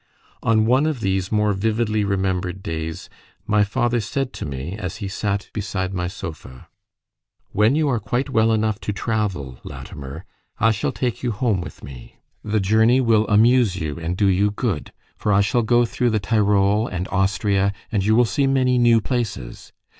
On one of these more vividly remembered days, my father said to me, as he sat beside my sofa "When you are quite well enough to travel, Latimer, I shall take you home with me. The journey will amuse you and do you good, for I shall go through the Tyrol and Austria, and you will see many new places.